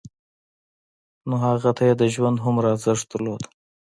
نو هغه ته يې د ژوند هومره ارزښت درلود.